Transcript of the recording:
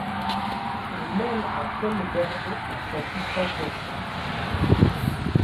Elle mêle un tel verbe à son puissant concert